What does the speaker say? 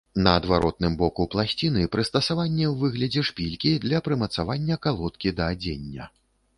На адваротным боку пласціны прыстасаванне ў выглядзе шпількі для прымацавання калодкі да адзення.